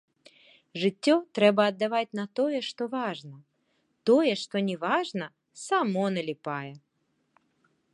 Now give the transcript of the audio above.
Жыццё трэба аддаваць на тое, што важна, тое, што не важна, само наліпае.